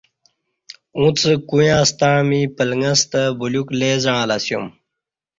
اُݩڅ کویاں ستݩع می پلݣستہ بلیوک لئ زعݩلہ اسُیوم